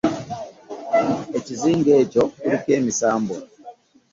Ekizinga ekyo kuliko emisambwa